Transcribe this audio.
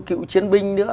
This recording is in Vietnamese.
cựu chiến binh nữa